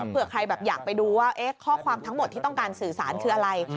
เผื่อใครอยากดูว่าคองความที่ต้องการสื่อสารคืออะไร